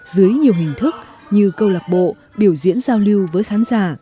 dưới nhiều hình thức như câu lạc bộ biểu diễn giao lưu với khán giả